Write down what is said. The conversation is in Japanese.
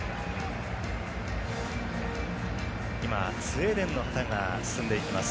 スウェーデンの旗が進んでいきます。